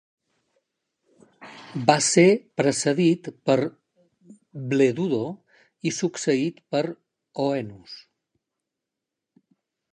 Va ser precedit per Bledudo i succeït per Oenus.